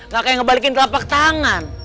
gak kayak ngebalikin telapak tangan